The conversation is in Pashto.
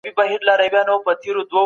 پوهنتون محصلین د وینا بشپړه ازادي نه لري.